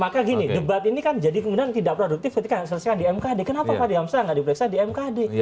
maka gini debat ini kan jadi kemudian tidak produktif ketika selesaikan di mkd kenapa fahri hamzah nggak diperiksa di mkd